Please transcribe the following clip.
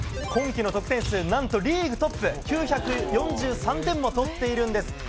今季の得点数、何とリーグトップ９４３点も取っているんです。